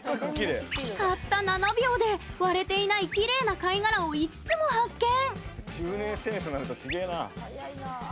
たった７秒で割れていないきれいな貝殻を５つも発見！